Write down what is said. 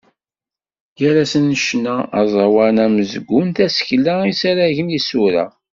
Gar-asent ccna, aẓawan, amezgun, tasekla, isaragen, isura.